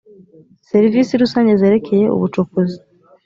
serivisi rusange zerekeye ubucukuzi